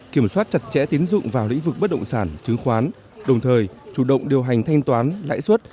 kiểm soát chặt chẽ tiến dụng vào lĩnh vực bất động sản chứng khoán đồng thời chủ động điều hành thanh toán lãi suất